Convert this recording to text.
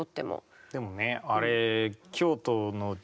でもねあれクセ？